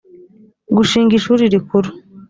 gushinga ishuri rikuru